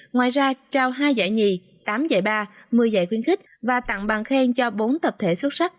ngoài ra trao hai giải nhì tám giải ba một mươi giải khuyến khích và tặng bàn khen cho bốn tập thể xuất sắc